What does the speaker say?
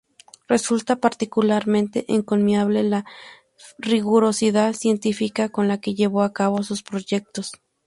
Resulta particularmente encomiable la rigurosidad científica con la que llevó a cabo sus proyectos.